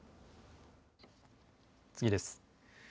次です。